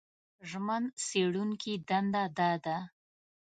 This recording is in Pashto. ژمن څېړونکي دنده دا ده